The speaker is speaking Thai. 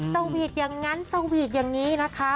เต้าหวีดอย่างนั้นเต้าหวีดอย่างนี้นะคะ